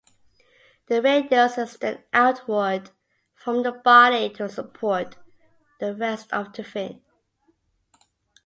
The radials extend outward from the body to support the rest of the fin.